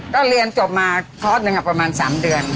ก็เรียนจบมาเค้าท๑ประมาณ๓เดือน